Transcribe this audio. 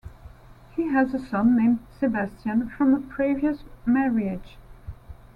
He has a son named Sebastian from a previous marriage.